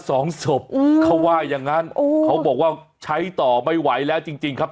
สองศพเขาว่าอย่างนั้นเขาบอกว่าใช้ต่อไม่ไหวแล้วจริงครับ